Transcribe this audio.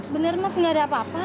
benar mas enggak ada apa apa